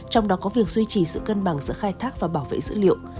trong đó có việc duy trì sự cân bằng giữa khai thác và bảo vệ dữ liệu